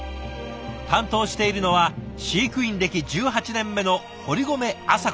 担当しているのは飼育員歴１８年目の堀籠麻子さん。